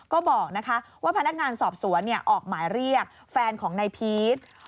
ก็บอกว่าพนักงานสอบสวนออกหมายเรียกแฟนของนายพีช